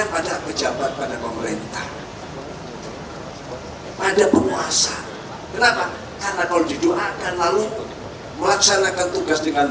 pada pejabat pada pemerintah pada penguasa kenapa karena kalau didoakan lalu melaksanakan tugas dengan